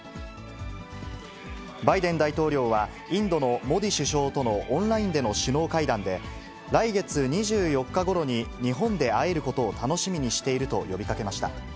バイデン大統領は、インドのモディ首相とのオンラインでの首脳会談で、来月２４日ごろに日本で会えることを楽しみにしていると呼びかけました。